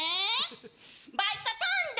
バイト飛んだ！